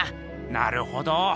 なるほど。